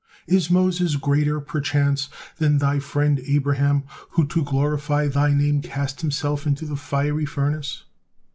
Is Moses greater, perchance, than Thy friend Abraham, who to glorify Thy name cast himself into the fiery furnace?